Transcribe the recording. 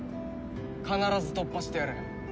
必ず突破してやる。